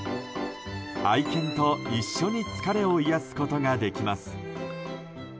愛犬と一緒に疲れを癒やすことができます。